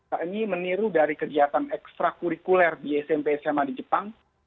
kami meniru dari kegiatan ekstra kurikuler di smp sma di jepang